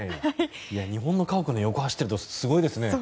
日本の家屋の横を走るってすごいですね。